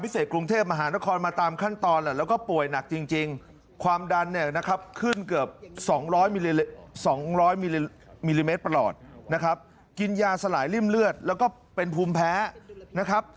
กิโลเมตร๒๐๐มิลลิเมตรตลอดนะครับกินยาสลายริ่มเลือดแล้วก็เป็นภูมิแพ้นะครับ